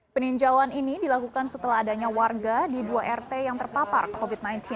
peninjauan ini dilakukan setelah adanya warga di dua rt yang terpapar covid sembilan belas